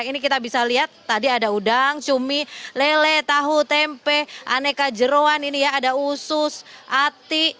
ini kita bisa lihat tadi ada udang cumi lele tahu tempe aneka jeruan ini ya ada usus ati